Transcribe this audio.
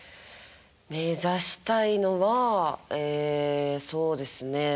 目指したいのはええそうですね